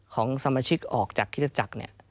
ของสมาชิกออกจากคิตจักร